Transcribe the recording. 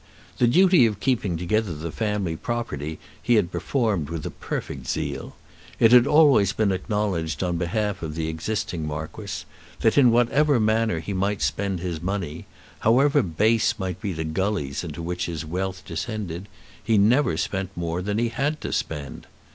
The duty of keeping together the family property he had performed with a perfect zeal. It had always been acknowledged on behalf of the existing Marquis, that in whatever manner he might spend his money, however base might be the gullies into which his wealth descended, he never spent more than he had to spend.